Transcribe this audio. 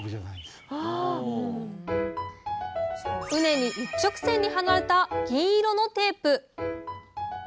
畝に一直線に張られた銀色のテープ。